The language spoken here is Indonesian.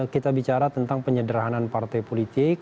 kita bicara tentang penyederhanan partai politik